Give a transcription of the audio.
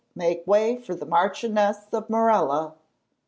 Make way for the Marchioness of Morella!"